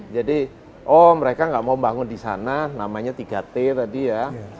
jadi oh mereka gak mau bangun di sana namanya tiga t tadi ya